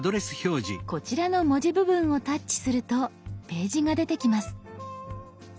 こちらの文字部分をタッチするとページが出てきます。